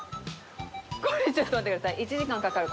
これちょっと待ってください。